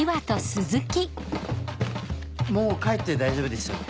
もう帰って大丈夫ですよね？